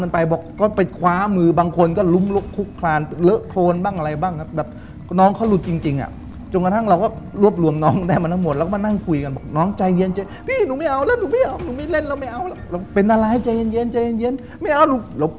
เป็นอะไรใจเย็นไม่เอาลูก